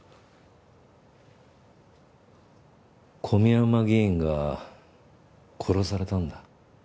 小宮山議員が殺されたんだ。